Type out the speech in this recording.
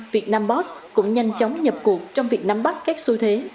vietnambot cũng nhanh chóng nhập cuộc trong việt nam bắc các xu thế